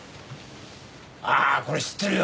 ああこれ知ってるよ！